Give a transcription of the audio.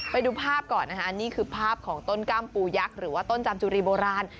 ไปดูภาพก่อนนะคะนี่คือภาพของต้นกล้ามปูยักษ์หรือว่าต้นจามจุรีโบราณ